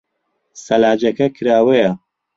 سەلاجەکە کراوەیە.